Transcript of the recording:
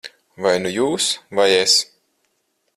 Vai nu jūs, vai es.